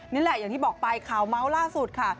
อย่างที่บอกไปข่าวเมาส์ล่าสุดค่ะ